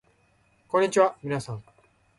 こんにちはみなさん